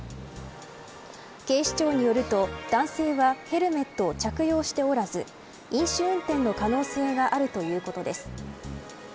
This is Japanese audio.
警視庁によると男性はヘルメットを着用しておらず飲酒運転の可能性があるということです。